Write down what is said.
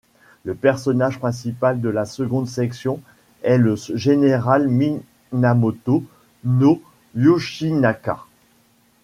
Le personnage principal de la seconde section est le général Minamoto no Yoshinaka.